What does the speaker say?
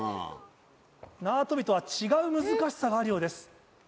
縄跳びとは違う難しさがあるようです。